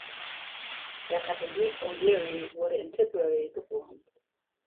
Der Katholik O’Leary wurde in Tipperary geboren.